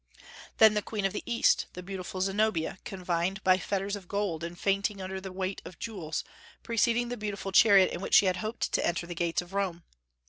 Then the Queen of the East, the beautiful Zenobia, confined by fetters of gold, and fainting under the weight of jewels, preceding the beautiful chariot in which she had hoped to enter the gates of Rome.